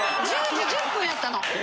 １０時１０分やったの。